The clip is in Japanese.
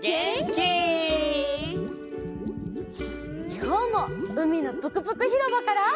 きょうもうみのぷくぷくひろばから。